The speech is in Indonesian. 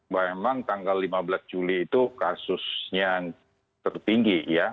bahwa memang tanggal lima belas juli itu kasusnya tertinggi ya